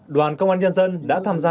đoàn công an nhân dân đã tham gia